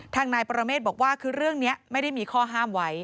ทางนายปรเมฆบอกว่าคือเรื่องนี้ไม่ได้มีข้อห้ามไว้